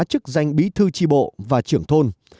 chức danh bí thư tri bộ và trưởng thôn